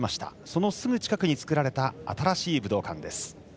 そのすぐ近くに作られた新しい武道館です。